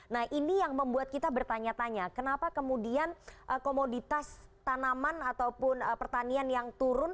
nah ini yang membuat kita bertanya tanya kenapa kemudian komoditas tanaman ataupun pertanian yang turun